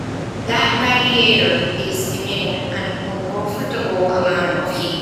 That radiator is emitting an uncomfortable amount of heat.